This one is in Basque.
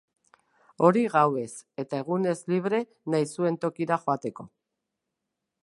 Hori gauez, eta egunez libre, nahi zuen tokira joateko.